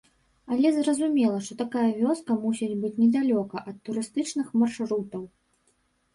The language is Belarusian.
Але зразумела, што такая вёска мусіць быць недалёка ад турыстычных маршрутаў.